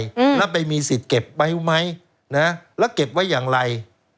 อืมแล้วไปมีสิทธิ์เก็บไว้ไหมนะแล้วเก็บไว้อย่างไร